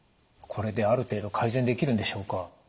これである程度改善できるんでしょうか？